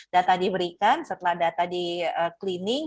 data diberikan setelah data di cleaning